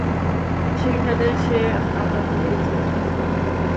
সেখানে সে আমাদের এজেন্ট।